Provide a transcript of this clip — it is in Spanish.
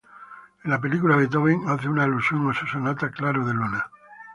En la película, Beethoven hace una alusión a su sonata "Claro de Luna".